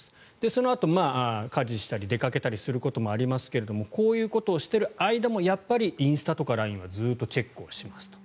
そのあと家事をしたり出かけたりすることもありますがこういうことをしている間もやっぱりＬＩＮＥとかインスタはずっとチェックしますと。